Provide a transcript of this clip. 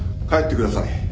帰ってください。